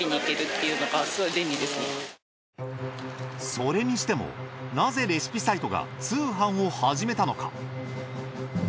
それにしてもなぜレシピサイトが通販を始めたのか？